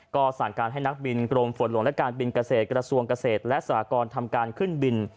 ก็สั่งการให้นักบินกรมฝนหลวงและการบินเกษตรกระทรวงเกษตรและสหกรทำการขึ้นบิน